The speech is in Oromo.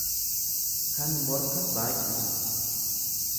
kan morka baay'isu.